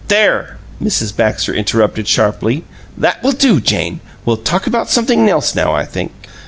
WOR '" "There!" Mrs. Baxter interrupted, sharply. "That will do, Jane! We'll talk about something else now, I think."